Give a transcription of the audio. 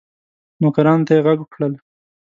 نوکرانو ته یې ږغ کړل